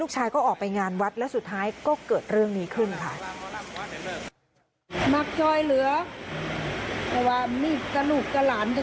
ชายก็ออกไปงานวัดแล้วสุดท้ายก็เกิดเรื่องนี้ขึ้นค่ะ